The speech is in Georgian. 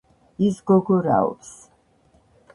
ის გოგო რაობს.